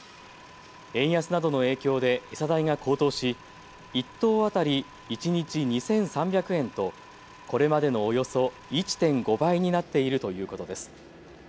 円安などの影響で餌代が高騰し１頭当たり一日２３００円とこれまでのおよそ１．５倍になっているということです。